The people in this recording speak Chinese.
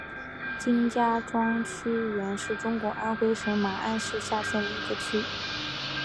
金家庄区原是中国安徽省马鞍山市下辖的一个区。